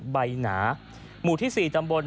หนาหมู่ที่๔ตำบล